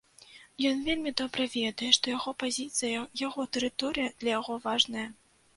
Ён вельмі добра ведае, што яго пазіцыя, яго тэрыторыя для яго важная.